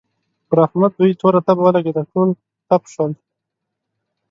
پر احمد دوی توره تبه ولګېده؛ ټول تپ شول.